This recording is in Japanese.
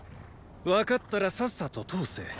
分かったらさっさと通せ。